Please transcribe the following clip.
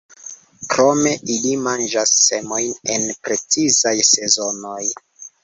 Krome ili manĝas semojn en precizaj sezonoj.